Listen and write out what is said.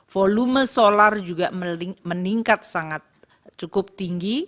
volume solar juga meningkat cukup tinggi